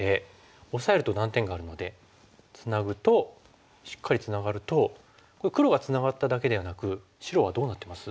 オサえると断点があるのでツナぐとしっかりツナがるとこれ黒がツナがっただけではなく白はどうなってます？